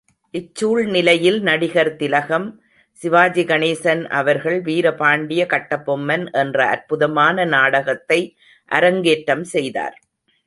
இச்சூழ்நிலையில் நடிகர்திலகம் சிவாஜிகணேசன் அவர்கள் வீர பாண்டிய கட்டபொம்மன் என்ற அற்புதமான நாடகத்தை அரங்கேற்றம் செய்தார்.